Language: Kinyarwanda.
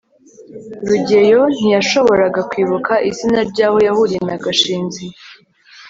rugeyo ntiyashoboraga kwibuka izina ryaho yahuriye na gashinzi